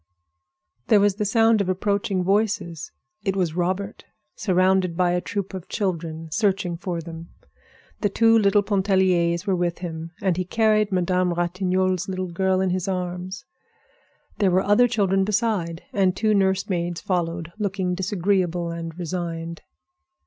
There was the sound of approaching voices. It was Robert, surrounded by a troop of children, searching for them. The two little Pontelliers were with him, and he carried Madame Ratignolle's little girl in his arms. There were other children beside, and two nurse maids followed, looking disagreeable and resigned.